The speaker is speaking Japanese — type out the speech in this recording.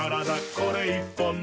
これ１本で」